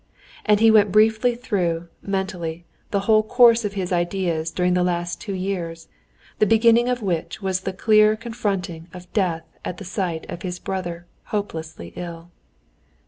And he briefly went through, mentally, the whole course of his ideas during the last two years, the beginning of which was the clear confronting of death at the sight of his dear brother hopelessly ill.